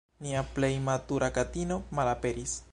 Nia plej matura katino malaperis.